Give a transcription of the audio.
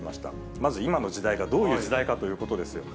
まず、今の時代がどういう時代かということですよ。